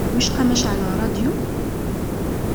Wicqa ma ceεleɣ rradyu?